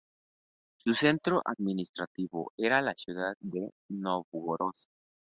Su centro administrativo era la ciudad de Nóvgorod.